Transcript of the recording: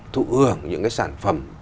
thụ hưởng những cái sản phẩm